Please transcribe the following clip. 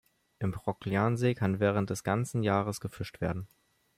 Im Prokljan-See kann während des ganzen Jahres gefischt werden.